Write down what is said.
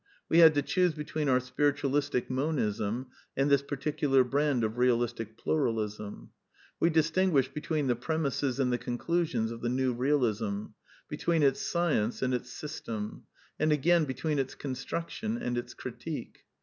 We had to choose between our Spiritualistic Monism and this par ticular brand of Bealistic Pluralism. We distinguished between the premisses and the conclu sions of the New Realism ; between its science and its sys tem; and again between its construction and its critique.